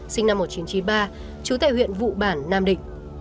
sinh năm một nghìn chín trăm chín mươi ba trú tại huyện vụ bản nam định